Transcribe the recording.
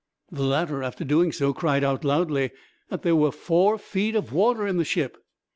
The latter, after doing so, cried out loudly that there were four feet of water in the ship.